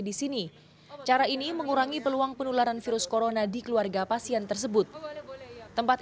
di sini cara ini mengurangi peluang penularan virus corona di keluarga pasien tersebut tempat